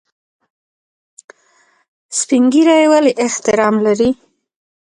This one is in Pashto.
سپین ږیری ولې احترام لري؟